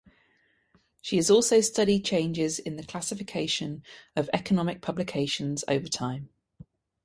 She has also studied changes in the classification of economic publications over time.